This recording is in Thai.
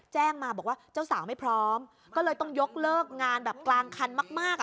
แจ้งมาบอกว่าเจ้าสาวไม่พร้อมก็เลยต้องยกเลิกงานแบบกลางคันมากมากอ่ะ